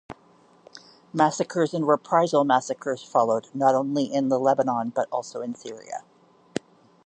Massacres and reprisal massacres followed, not only in the Lebanon but also in Syria.